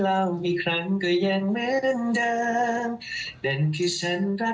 ร้องได้สิคุณผมเป็นนักร้องนะ